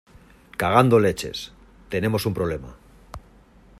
cagando leches. tenemos un problema .